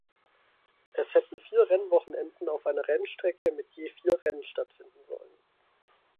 Es hätte vier Rennwochenenden auf einer Rennstrecke mit je vier Rennen stattfinden sollen.